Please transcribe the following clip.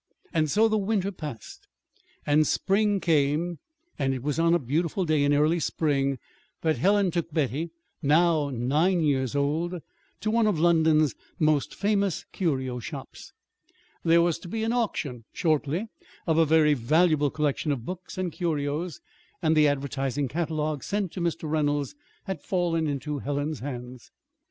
And so the winter passed and spring came; and it was on a beautiful day in early spring that Helen took Betty (now nine years old) to one of London's most famous curio shops. There was to be an auction shortly of a very valuable collection of books and curios, and the advertising catalogue sent to Mr. Reynolds had fallen into Helen's hands.